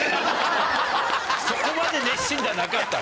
そこまで熱心じゃなかった。